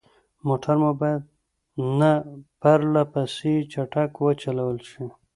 موټر مو باید نه پرلهپسې چټک وچلول شي.